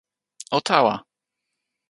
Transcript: o tawa!